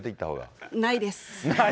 ないです。